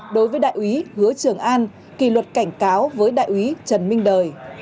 đối với đại ủy hứa trường an kỷ luật cảnh cáo với đại ủy trần minh đời